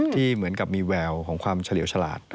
ที่เหมือนกับมีแววของความเฉลี่ยวฉลาด